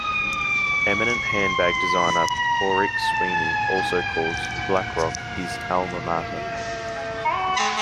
Eminent handbag designer Pauric Sweeney also calls Blackrock his alma mater.